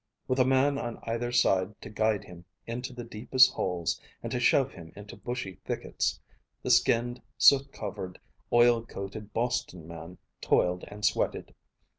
With a man on either side to guide him into the deepest holes and to shove him into bushy thickets, the skinned, soot covered, oil coated Boston man toiled and sweated.